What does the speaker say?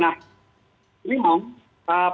nah ini mau